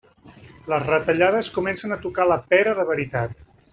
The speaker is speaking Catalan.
Les retallades comencen a tocar la pera de veritat.